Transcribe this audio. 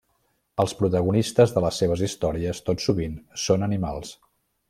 Els protagonistes de les seves històries tot sovint són animals.